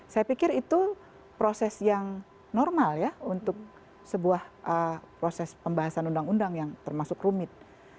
saya pikir itu proses yang normal ya untuk sebuah proses pembahasan undang undang yang termasuk rumit